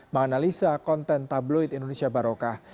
menganalisa konten tabloid indonesia barokah